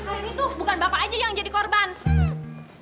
karim itu bukan bapak aja yang jadi korban